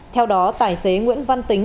theo đó tài xế nguyễn văn tính